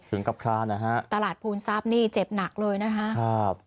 ถึงครับคร้านะฮะตลาดภูมิทราบนี่เจ็บหนักเลยนะฮะครับ